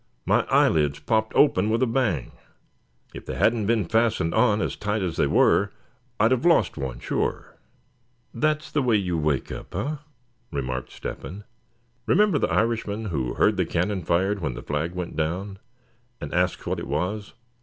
My eyelids popped open with a bang. If they hadn't been fastened on as tight as they were, I'd have lost one, sure." "That's the way you wake up, eh?" remarked Step hen. "Remember the Irishman who heard the cannon fired when the flag went down, and asked what it was.